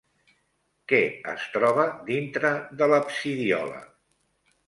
Què es troba dintre de l'absidiola?